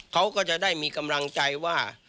เขาก็จะได้มีกำลังใจว่า